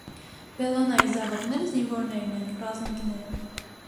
Բելլոնայի զավակները զինվորներն են, ռազմիկները։